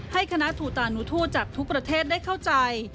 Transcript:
ให้คณะทูตานุทูตจากทุกประเทศได้เข้าใจ